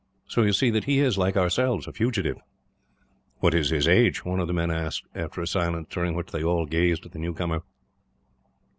So you see that he is, like ourselves, a fugitive." "What is his age?" one of the men asked, after a silence, during which they all gazed at the newcomer.